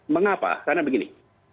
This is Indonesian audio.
mengapa karena begini